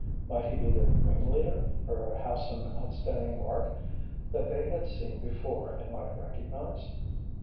Might he be the ringleader, or have some outstanding mark that they had seen before and might recognize?